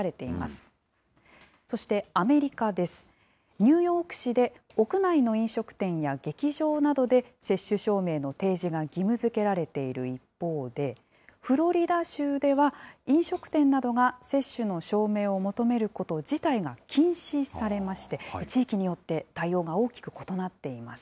ニューヨーク市で屋内の飲食店や劇場などで接種証明の提示が義務づけられている一方で、フロリダ州では飲食店などが接種の証明を求めること自体が禁止されまして、地域によって対応が大きく異なっています。